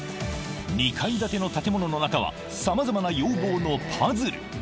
２階建ての建物の中はさまざまな要望のパズル